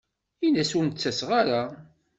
In-as ur d-ttaseɣ ara.